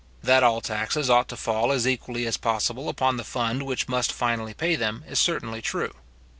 That all taxes ought to fall as equally as possible upon the fund which must finally pay them, is certainly true.